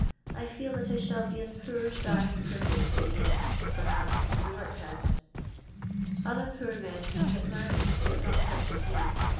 I feel that I shall be a pear starving cripple, till I end, perhaps, in the m)^ house. Other poor men can get married, but net such as me.